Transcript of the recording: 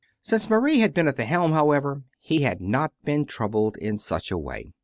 Since Marie had been at the helm, however, he had not been troubled in such a way.